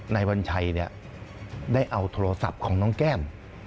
นายวัญชัยได้เอาโทรศัพท์ของน้องแก้ม